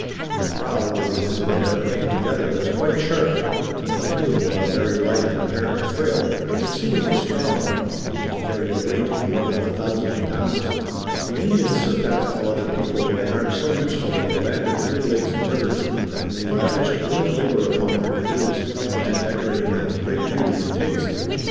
The prow, where the ends of the bark came together, was quite sharp, and the canoe, while very light and apparently frail, was exceedingly strong, able to carry a weight of more than a thousand pounds. The Indians surpassed all other people in an art so useful in a land of many lakes and rivers and they lavished willing labor upon their canoes, often decorating them with great beauty and taste.